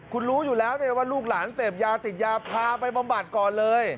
คุณรู้อยู่แล้วว่าลูกหลานเสพยาติดยาพาไปบำบัดก่อนเลย